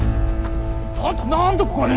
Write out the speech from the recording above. あんたなんでここに！？